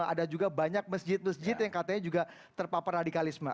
ada juga banyak masjid masjid yang katanya juga terpapar radikalisme